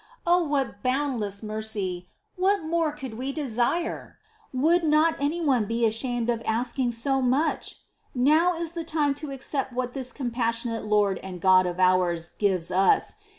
6. Oh, what boundless mercy ! What more could we desire ? Would not anyone be ashamed of asking so much ? Now is the time to accept what this compassion ate Lord and God of ours gives us.